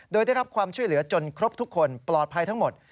โดยได้รับความช่วยเหลือจนครบทุกคนปลอดภัยทั้งหมด